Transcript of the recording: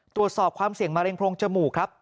ตรวจสอบความเสี่ยงมะเร็งโพรงจมูกครับ